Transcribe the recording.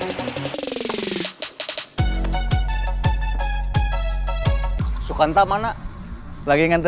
kamu off memangnya kenapa